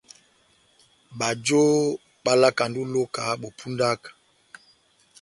Bajo bálakandi ó iloka bó pundaka.